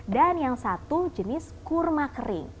yang satu jenis kurma kering